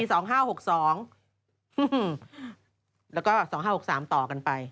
แล้วก็๒๕๖๓ต่อกันไป